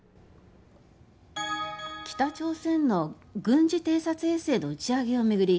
北朝鮮の軍事偵察衛星の打ち上げを巡り